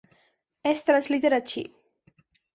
Es translitera chi.